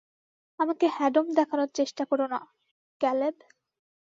আমাকে হেডম দেখানোর চেষ্টা করোনা, ক্যালেব।